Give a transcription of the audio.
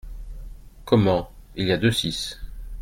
Comment, il y a deux six !